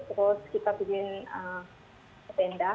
terus kita bikin benda